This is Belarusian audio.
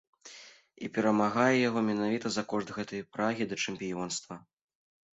І перамагае яго менавіта за кошт гэтай прагі да чэмпіёнства.